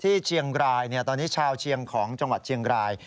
ที่เชียงรายตอนนี้ชาวเชียงของจังหวัดเชียงราย